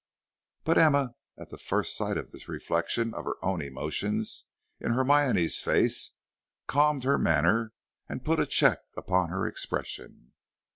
But Emma, at the first sight of this reflection of her own emotions in Hermione's face, calmed her manner, and put a check upon her expression.